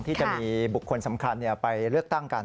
ที่จะมีบุคคลสำคัญไปเลือกตั้งกัน